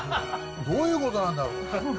どういうことなんだろう。